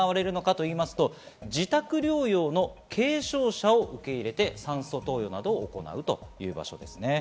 自宅療養の軽症者を受け入れて酸素投与などを行うという場所です。